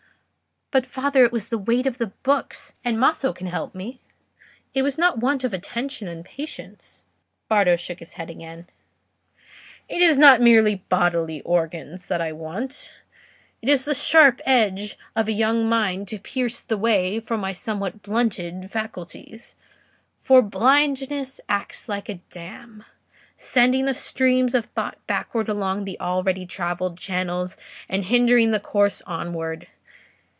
"But, father, it was the weight of the books, and Maso can help me; it was not want of attention and patience." Bardo shook his head again. "It is not mere bodily organs that I want: it is the sharp edge of a young mind to pierce the way for my somewhat blunted faculties. For blindness acts like a dam, sending the streams of thought backward along the already travelled channels and hindering the course onward.